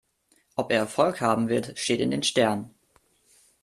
Ob er Erfolg haben wird, steht in den Sternen.